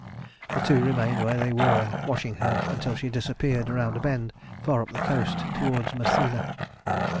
The two remained where they were, watching her until she disappeared round a bend far up the coast towards Mersina.